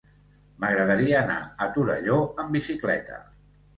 M'agradaria anar a Torelló amb bicicleta.